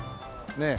ねえ。